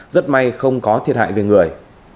rất may không có thiệt hại về người